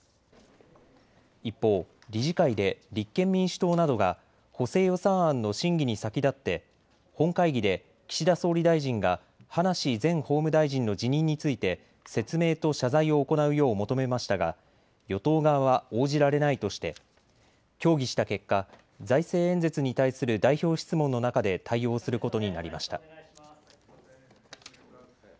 一方、理事会で立憲民主党などが補正予算案の審議に先立って本会議で岸田総理大臣が葉梨前法務大臣の辞任について説明と謝罪を行うよう求めましたが、与党側は応じられないとして協議した結果、財政演説に対する代表質問の中で対応することになりました。